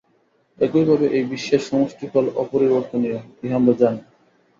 একই ভাবে এই বিশ্বের সমষ্টিফল অপরিবর্তনীয়, ইহা আমরা জানি।